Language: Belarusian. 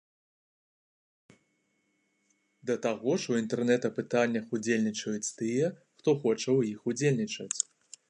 Да таго ж у інтэрнэт-апытаннях удзельнічаюць тыя, хто хоча ў іх удзельнічаць.